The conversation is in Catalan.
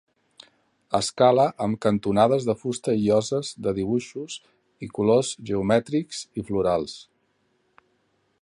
Escala amb cantonades de fusta i lloses de dibuixos i colors geomètrics i florals.